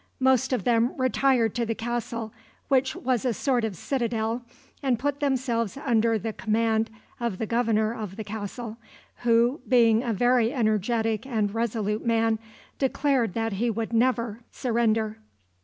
Most of them retired to the castle, which was a sort of citadel, and put themselves under the command of the governor of the castle, who, being a very energetic and resolute man, declared that he never would surrender.